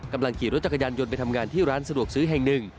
กำลังขี่รถจักรยานยนต์ไปทำงานที่ร้านสะดวกซื้อแห่งหนึ่ง